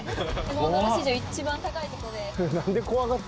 ゴンドラ史上一番高いとこで。